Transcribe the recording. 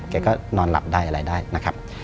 แกก็นอนหลับได้อะไรได้นะครับ